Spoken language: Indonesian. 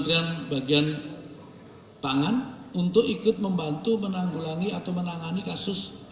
kementerian bagian pangan untuk ikut membantu menanggulangi atau menangani kasus